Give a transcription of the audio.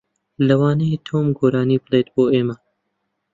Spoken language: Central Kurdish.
لەوانەیە تۆم گۆرانی بڵێت بۆ ئێمە.